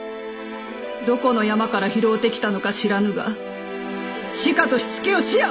どこの山から拾うてきたのか知らぬがしかとしつけをしや！